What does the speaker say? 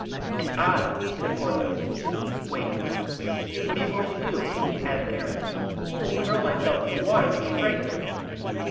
"And I," said Porthos. "Wait." "What are you going to do?" asked Aramis. "Throw myself in the water and strangle him."